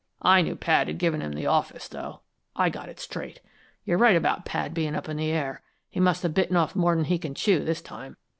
I knew Pad had given him the office, though. I got it straight. You're right about Pad bein' up in the air. He must have bitten off more than he can chew, this time.